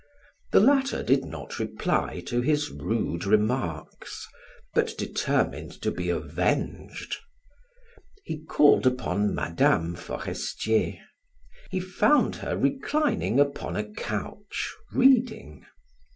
The latter did not reply to his rude remarks, but determined to be avenged. He called upon Mme. Forestier. He found her reclining upon a couch, reading.